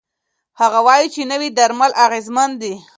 هغه وايي، نوي درمل اغېزمن دي.